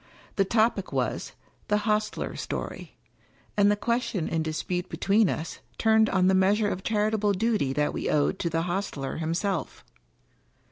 The topic was " The Hostler's Story"; and the question in dispute between us turned on the measure of charitable duty that we owed to the hostler himself.